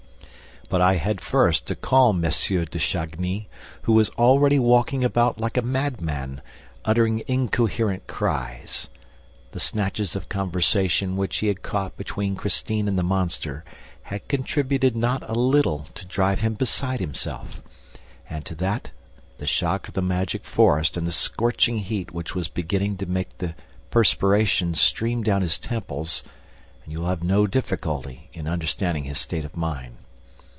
But I had first to calm M. de Chagny, who was already walking about like a madman, uttering incoherent cries. The snatches of conversation which he had caught between Christine and the monster had contributed not a little to drive him beside himself: add to that the shock of the magic forest and the scorching heat which was beginning to make the prespiration stream down his temples and you will have no difficulty in understanding his state of mind.